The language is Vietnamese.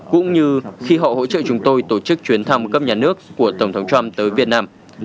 cũng như khi họ hỗ trợ chúng tôi tổ chức chuyến thăm cấp nhà nước của tổng thống trump tới việt nam